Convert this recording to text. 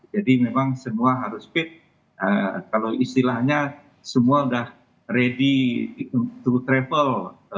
jadi memang semua harus fit kalau istilahnya semua udah ready to travel